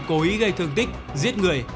cố ý gây thương tích giết người